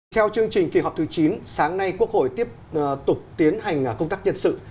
theo chương trình kỳ họp thứ chín sáng nay quốc hội tiếp tục tiến hành công tác nhân sự